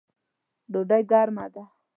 ډوډۍ ګرمه ده